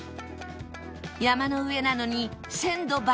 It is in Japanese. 山の上なのに鮮度抜群！